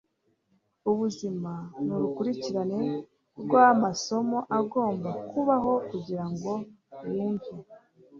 Ubuzima ni urukurikirane rw'amasomo agomba kubaho kugira ngo yumve.